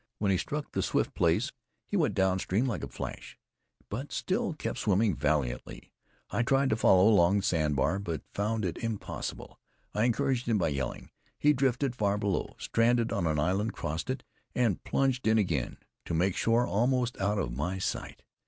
When he struck the swift place, he went downstream like a flash, but still kept swimming valiantly. I tried to follow along the sand bar, but found it impossible. I encouraged him by yelling. He drifted far below, stranded on an island, crossed it, and plunged in again, to make shore almost out of my sight.